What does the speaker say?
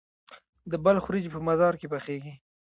د بلخ وریجې په مزار کې پخیږي.